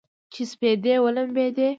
چې سپېدې ولمبیدې